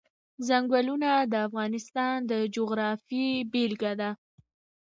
ځنګلونه د افغانستان د جغرافیې بېلګه ده.